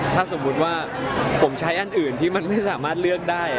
ถ้าสมมุติว่าผมใช้อันอื่นที่มันไม่สามารถเลือกได้